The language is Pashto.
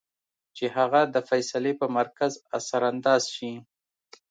چې هغه د فېصلې پۀ مرکز اثر انداز شي -